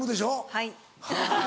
はい。